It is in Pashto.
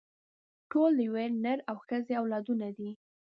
ټول د يوه نر او ښځې اولاده دي.